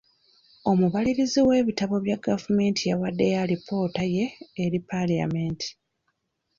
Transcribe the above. Omubalirizi w'ebitabo bya gavumenti yawaddeyo alipoota ye eri paalamenti.